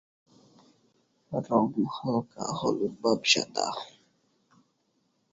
রং হালকা হলুদাভ সাদা।